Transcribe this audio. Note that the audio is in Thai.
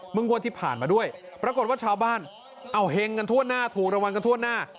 งวดที่ผ่านมาด้วยปรากฏว่าชาวบ้านเอาเฮงกันทั่วหน้าถูกรางวัลกันทั่วหน้า